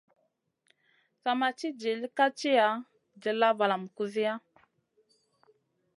Sa ma ci dill ka tiya, dilla valam kusiya.